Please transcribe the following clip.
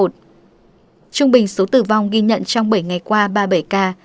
trung bình số tử vong ghi nhận trong bảy ngày qua ba mươi bảy ca